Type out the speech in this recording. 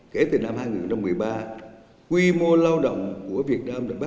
giáo dục nghề nghiệp việt nam đang có những đổi mới mạnh mẽ